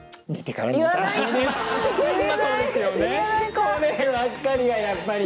こればっかりはやっぱりね！